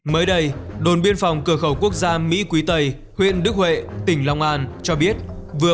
mới đây đồn biên phòng cửa khẩu quốc gia mỹ quý tây huyện đức huệ tỉnh long an cho biết vừa